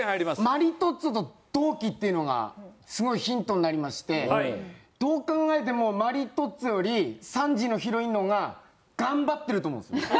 マリトッツォと同期っていうのがすごいヒントになりましてどう考えてもマリトッツォより３時のヒロインの方が頑張ってると思うんですよ。